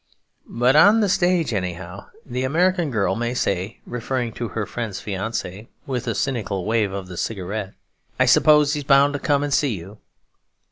But on the stage, anyhow, the American girl may say, referring to her friend's fiancé, with a cynical wave of the cigarette, 'I suppose he's bound to come and see you.'